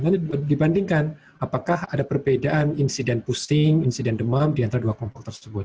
karena dibandingkan apakah ada perbedaan insiden pusing insiden demam di antara dua kelompok tersebut